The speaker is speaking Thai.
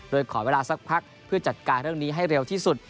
โดยขอเวลาสักพักเพื่อจัดการเรื่องนี้ให้เร็วที่สุด